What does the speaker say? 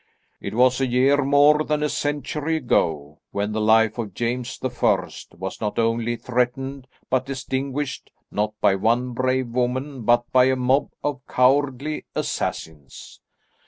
"It was a year more than a century ago, when the life of James the First was not only threatened, but extinguished, not by one brave woman, but by a mob of cowardly assassins.